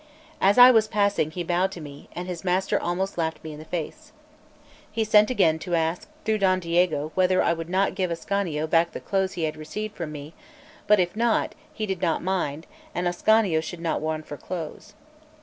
As I was passing he bowed to me, and his master almost laughed me in the face. He sent again to ask through Don Diego whether I would not give Ascanio back the clothes he had received from me; but if not, he did not mind, and Ascanio should not want for clothes.